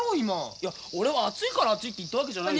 いや俺は暑いから暑いって言ったわけじゃないよ。